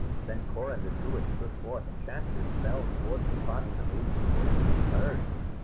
Then Coran the Druid stood forth and chanted his spells towards the spot where the maiden's voice had been heard.